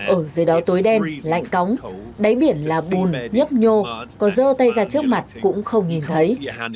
ở dưới đó tối đen lạnh cóng đáy biển là bùn nhấp nhô có dơ tay ra trước mặt cũng không nhìn thấy